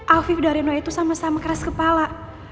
afif dan reno itu sama sama keras kepala